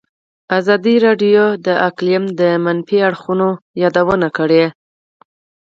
ازادي راډیو د اقلیم د منفي اړخونو یادونه کړې.